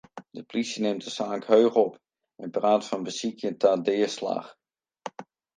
De plysje nimt de saak heech op en praat fan besykjen ta deaslach.